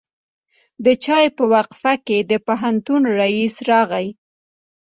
د چای په وقفه کې د پوهنتون رئیس راغی.